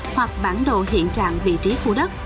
hoặc bản đồ hiện trạng vị trí khu đất